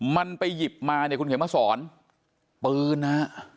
มันไปหยิบมาเนี่ยคุณเขียนมาสอนปืนนะฮะ